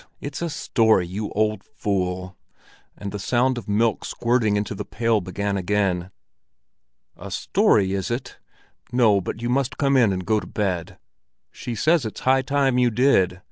It's a story, you old fool!" And the sound of milk squirting into the pail began again. "A story, is it? No, but you must come in and go to bed; she says it's high time you did.